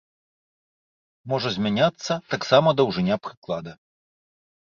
Можа змяняцца таксама даўжыня прыклада.